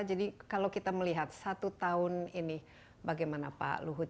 jadi kalau kita melihat satu tahun ini bagaimana pak luhut